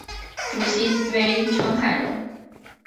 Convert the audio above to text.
主席为成海荣。